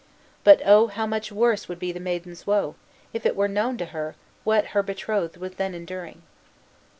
But oh, how much worse would be the maiden's woe, if it were known to her what her betrothed was then enduring!